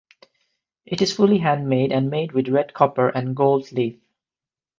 It is fully hand-made and made with red copper and gold leaf.